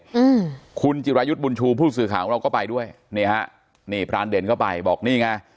อืมคุณจิรายุทธ์บุญชูผู้สื่อข่าวของเราก็ไปด้วยนี่ฮะนี่พรานเด่นก็ไปบอกนี่ไง